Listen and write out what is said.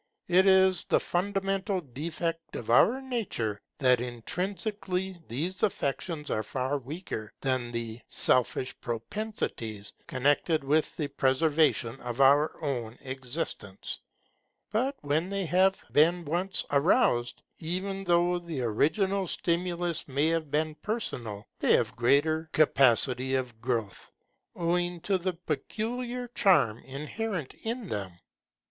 It is the fundamental defect of our nature, that intrinsically these affections are far weaker than the selfish propensities connected with the preservation of our own existence. But when they have been once aroused, even though the original stimulus may have been personal, they have greater capacity of growth, owing to the peculiar charm inherent in them.